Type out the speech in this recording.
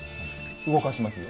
動かしますよ。